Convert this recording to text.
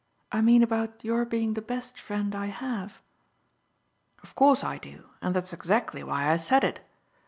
I mean about your being the best friend I have." "Of course I do, and that's exactly why I said it.